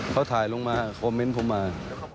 เขาถ่ายลงมาคอมเมนต์ผมมา